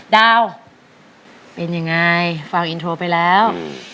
ดาวเป็นยังไงฟังอินโทรไปแล้ว